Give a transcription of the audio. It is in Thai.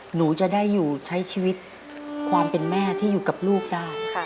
หนูจะได้อยู่ใช้ชีวิตความเป็นแม่ที่อยู่กับลูกได้